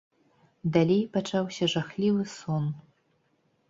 Далей пачаўся жахлівы сон.